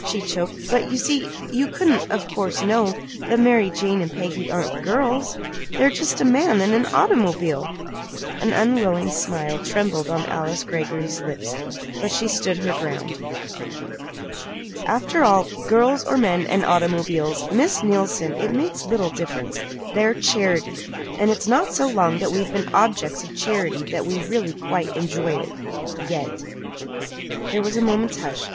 she choked. "But you see you couldn't, of course, know that Mary Jane and Peggy aren't girls. They're just a man and an automobile!" An unwilling smile trembled on Alice Greggory's lips; but she still stood her ground. "After all, girls, or men and automobiles, Miss Neilson it makes little difference. They're charity. And it's not so long that we've been objects of charity that we quite really enjoy it yet." There was a moment's hush.